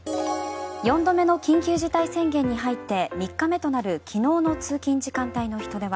４度目の緊急事態宣言に入って３日目となる昨日の通勤時間帯の人出は